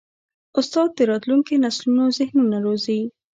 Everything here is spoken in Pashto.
استاد د راتلونکي نسلونو ذهنونه روزي.